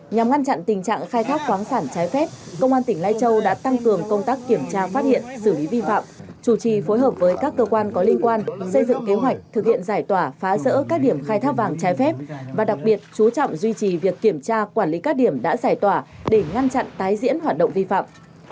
nhằm ngăn chặn tình trạng khai thác khoáng sản trái phép công an tỉnh lai châu đã tăng cường công tác kiểm tra phát hiện xử lý vi phạm chủ trì phối hợp với các cơ quan có liên quan xây dựng kế hoạch thực hiện giải tỏa phá rỡ các điểm khai thác vàng trái phép và đặc biệt chú trọng duy trì việc kiểm tra quản lý các điểm đã giải tỏa để ngăn chặn tái diễn hoạt động vi phạm